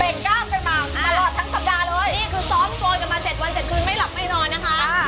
เป็นกล้ามไปมามารอดทั้งสัปดาห์เลย